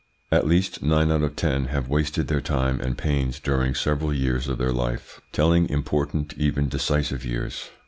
At least nine out of ten have wasted their time and pains during several years of their life telling, important, even decisive years.